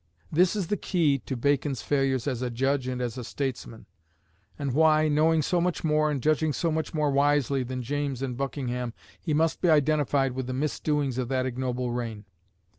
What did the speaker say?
This is the key to Bacon's failures as a judge and as a statesman, and why, knowing so much more and judging so much more wisely than James and Buckingham, he must be identified with the misdoings of that ignoble reign.